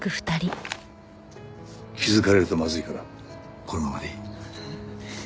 気づかれるとまずいからこのままでいい。